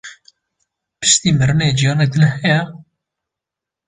Piştî mirinê jiyanek din heye?